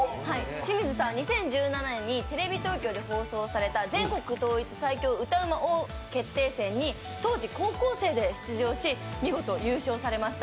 清水さんは２０１７年にテレビ東京で放送された全国統一最強歌うま王決定戦に当時高校生で出場し見事優勝しました。